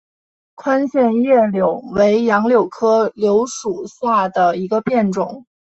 宽线叶柳为杨柳科柳属下的一个变种。